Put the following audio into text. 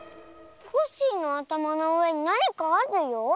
コッシーのあたまのうえになにかあるよ。